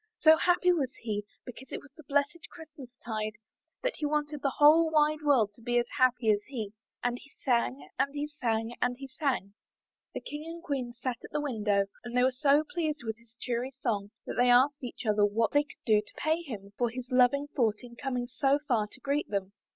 So happy was he because it was the blessed Christmas tide, that he wanted the whole wide world to be as happy as he. And he sang, and he sang, and he sang. The King and Queen sat at the window, and they were so pleased with his cheery song that they asked each other what they could do to pay him for his loving thought in coming so far to greet them.